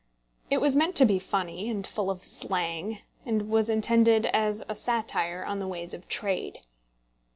It was meant to be funny, was full of slang, and was intended as a satire on the ways of trade.